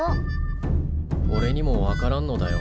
おれにも分からんのだよ。